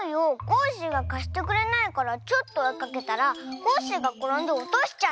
コッシーがかしてくれないからちょっとおいかけたらコッシーがころんでおとしちゃったんでしょ。